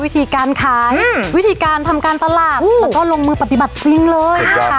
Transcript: วิธีการขายวิธีการทำการตลาดแล้วก็ลงมือปฏิบัติจริงเลยนะคะ